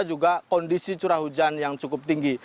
juga kondisi curah hujan yang cukup tinggi